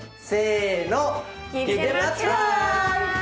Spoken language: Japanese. せの！